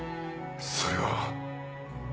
それは。